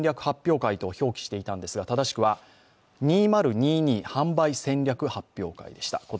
発表会と表記していたんですが、正しくは２０２２販売戦略発表会でした。